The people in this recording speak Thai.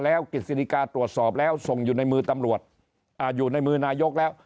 แล้วกฤษฎิกาตรวจสอบแล้วส่งอยู่ในมือตำรวจอยู่ในมือนายกแล้ว